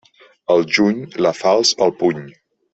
Al juny, la falç al puny.